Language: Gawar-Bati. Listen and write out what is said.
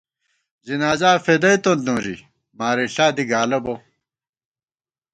ځنازا فېدَئیتون نوری مارِݪا دی گالہ بہ